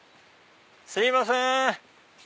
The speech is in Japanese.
すいません。